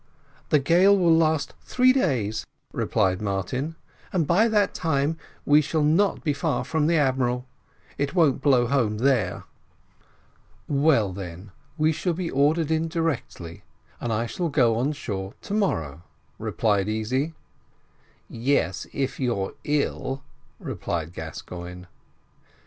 "The gale will last three days," replied Martin, "and by that time we shall not be far from the admiral; it won't blow home there." "Well, then, we shall be ordered in directly, and I shall go on shore to morrow," replied Easy. "Yes, if you're ill," replied Gascoigne.